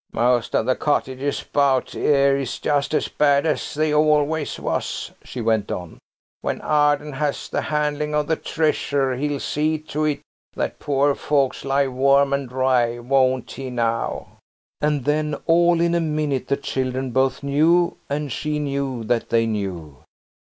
"Most of the cottages 'bout here is just as bad as they always was," she went on. "When Arden has the handling of the treasure he'll see to it that poor folks lie warm and dry, won't he now?" And then all in a minute the children both knew, and she knew that they knew.